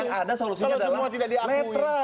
kalau semua tidak diakui